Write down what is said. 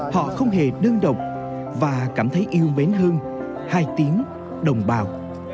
họ không hề đơn độc và cảm thấy yêu mến hơn hai tiếng đồng bào